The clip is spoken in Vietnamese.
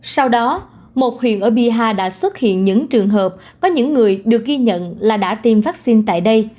sau đó một huyện ở biaha đã xuất hiện những trường hợp có những người được ghi nhận là đã tiêm vaccine tại đây